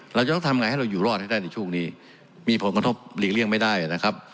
เราจะต้องทำไงให้เราอยู่รอดให้ได้ในช่วงนี้มีผลกระทบหลีกเลี่ยงไม่ได้นะครับ